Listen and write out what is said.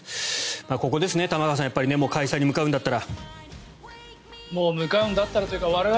ここですね、玉川さん開催に向かうんだったら。